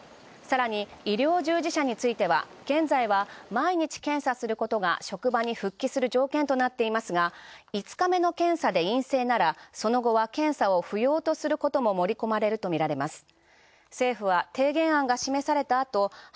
更に医療従事者については現在は毎日検査することが職場に復帰する条件となっていますが５日間の検査で陰性なら、その後は検査を不要とすることも盛り込まれるとみられます。